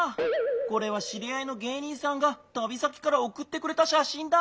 これはしりあいの芸人さんがたび先からおくってくれたしゃしんだ。